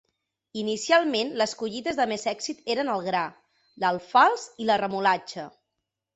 Inicialment, les collites de més èxit eren el gra, l'alfals i la remolatxa.